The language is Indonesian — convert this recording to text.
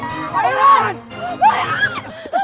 kita harus ke sana tak